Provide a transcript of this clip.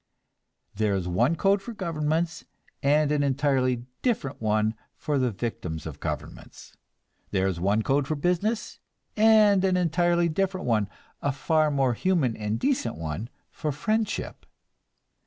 There is one code for governments, and an entirely different one for the victims of governments. There is one code for business, and an entirely different one, a far more human and decent one, for friendship.